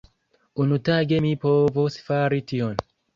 Unutage mi povos fari tion.